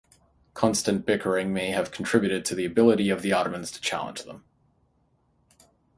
Constant bickering may have contributed to the ability of the Ottomans to challenge them.